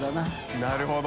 なるほど！